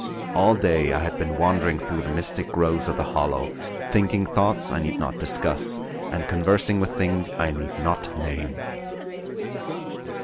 All day I had been wandering through the mystic groves of the hollow; thinking thoughts I need not discuss, and conversing with things I need not name.